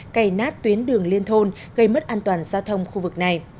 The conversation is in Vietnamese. cày nát tuyến đường liên thôn gây mất an toàn giao thông khu vực này